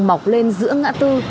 mọc lên giữa ngã tư